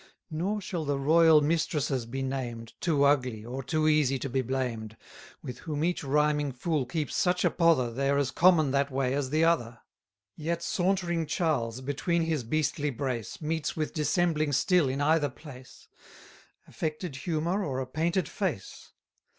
60 Nor shall the royal mistresses be named, Too ugly, or too easy to be blamed, With whom each rhyming fool keeps such a pother, They are as common that way as the other: Yet sauntering Charles, between his beastly brace, Meets with dissembling still in either place, Affected humour, or a painted face.